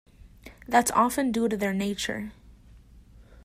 That's often due to their nature.